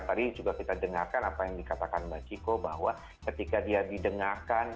tadi juga kita dengarkan apa yang dikatakan mbak ciko bahwa ketika dia didengarkan